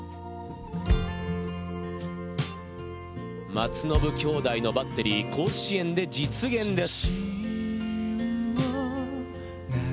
松延兄弟のバッテリー、甲子園で実現です。